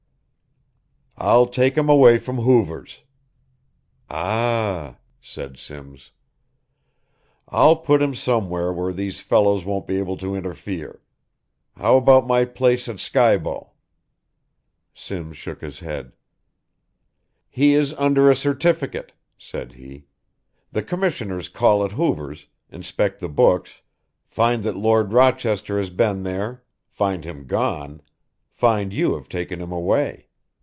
"I'll take him away from Hoover's." "Ah," said Simms. "I'll put him somewhere where these fellows won't be able to interfere. How about my place at Skibo?" Simms shook his head. "He is under a certificate," said he. "The Commissioners call at Hoover's, inspect the books, find that Lord Rochester has been there, find him gone, find you have taken him away.